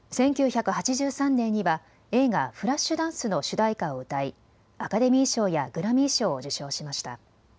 １９８３年には映画フラッシュダンスの主題歌を歌いアカデミー賞やグラミー賞を受賞しました。